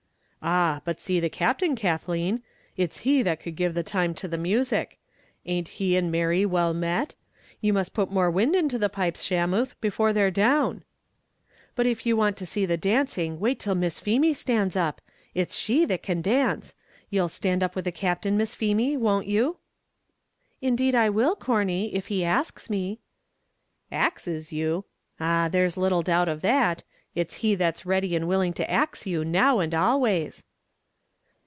"Ah! but see the Captain, Kathleen; it's he that could give the time to the music; a'nt he and Mary well met? you must put more wind into the pipes, Shamuth, before they're down." "But if you want to see the dancing, wait till Miss Feemy stands up it's she that can dance; you'll stand up with the Captain, Miss Feemy, won't you?" "Indeed I will, Corney, if he asks me." "Axes you! ah, there's little doubt of that; it's he that's ready and willing to ax you, now and always."